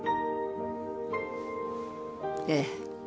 ええ。